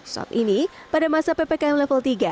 saat ini pada masa ppkm level tiga